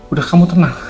udah kamu tenang